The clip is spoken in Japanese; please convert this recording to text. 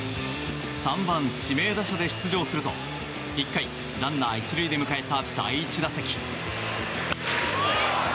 ３番指名打者で出場すると１回ランナー１塁で迎えた第１打席。